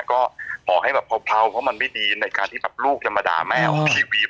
เหมาะให้เพราะมันไม่ดีแต่ลูกจะมาด่าแมว